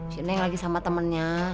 sina yang lagi sama temennya